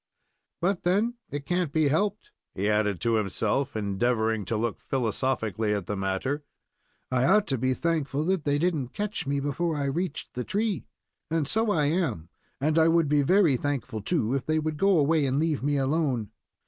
"But, then, it can't be helped," he added to himself, endeavoring to look philosophically at the matter. "I ought to be thankful that they didn't catch me before I reached the tree, and so I am; and I would be very thankful, too, if they would go away and leave me alone.